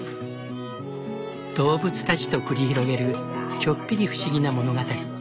動物たちと繰り広げるちょっぴり不思議な物語。